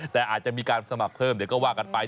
แต่อาจจะมีการสมัครเพิ่มเดี๋ยวก็ว่ากันไป